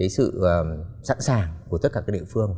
sự sẵn sàng của tất cả các địa phương